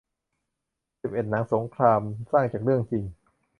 สิบเอ็ด หนังสงคราม สร้างจากเรื่องจริง